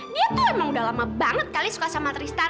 dia tuh emang udah lama banget kali suka sama tristar